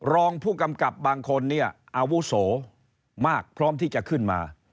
รองผู้กำกับบางคนเนี่ยอาวุโสมากพร้อมที่จะขึ้นมา